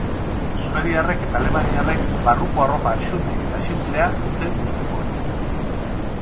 Suediarrek eta alemaniarrek barruko arropa xume eta sinplea dute gustukoen.